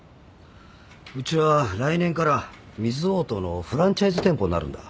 うちは来年からミズオートのフランチャイズ店舗になるんだ